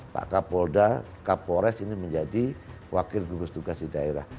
pak kapolda kapolres ini menjadi wakil gugus tugas di daerah